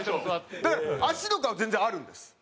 だから脚とかは全然あるんです。